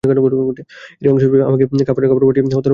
এরই অংশ হিসেবে আমাকে কাফনের কাপড় পাঠিয়ে হত্যার হুমকি দেওয়া হয়েছে।